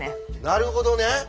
なるほどね。